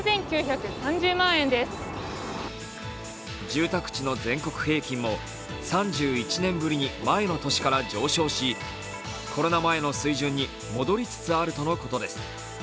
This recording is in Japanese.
住宅地の全国平均も３１年ぶりに前の年から上昇しコロナ前の水準に戻りつつあるということです。